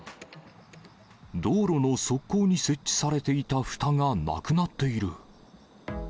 道路の側溝に設置されていたふたがなくなっている。